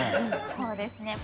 そうですね。